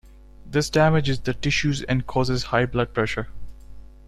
This damages the tissues and causes high blood pressure.